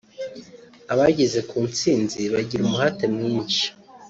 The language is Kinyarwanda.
Abageze ku ntsinzi bagira umuhate mwinshi